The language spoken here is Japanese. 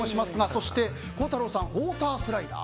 そして孝太郎さんはウォータースライダー。